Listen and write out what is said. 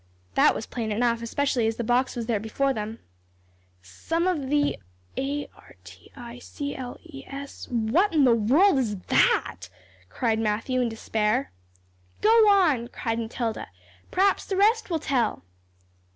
'" That was plain enough, especially as the box was there before them. "'Some of the a r t i c l e s ' What in the world is that?" cried Matthew, in despair. "Go on," cried Matilda; "p'raps the rest will tell."